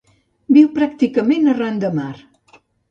Viu pràcticament arran de mar.